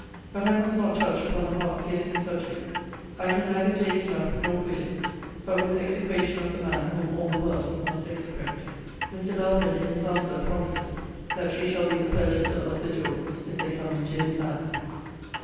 But I must not touch upon the heart piercing subject. I can neither take it up, nor quit it, but with execration of the man whom all the world must execrate.' Mr. Belford, in his answer, promises that she shall be the purchaser of the jewels, if they come into his hands.